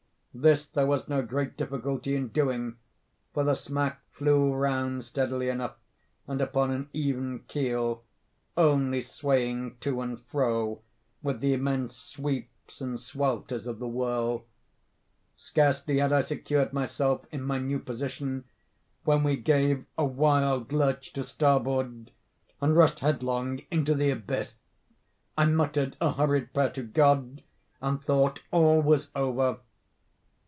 This there was no great difficulty in doing; for the smack flew round steadily enough, and upon an even keel—only swaying to and fro, with the immense sweeps and swelters of the whirl. Scarcely had I secured myself in my new position, when we gave a wild lurch to starboard, and rushed headlong into the abyss. I muttered a hurried prayer to God, and thought all was over.